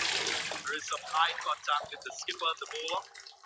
ولي د ښه ژوند لپاره فزیکي او رواني روغتیا مهمه ده؟